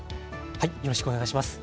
よろしくお願いします。